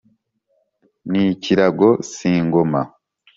n'ikirago singikoma